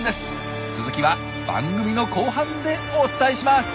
続きは番組の後半でお伝えします！